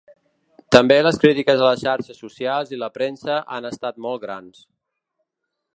També les crítiques a les xarxes socials i la premsa han estat molt grans.